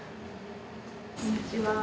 こんにちは。